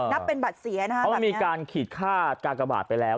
นับเป็นบัตรเสียนะคะเพราะมันมีการขีดค่ากากบาทไปแล้ว